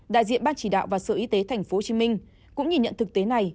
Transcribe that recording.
đại diện ban chỉ đạo và sở y tế thành phố hồ chí minh cũng nhìn nhận thực tế này